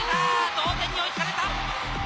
同点に追いつかれた。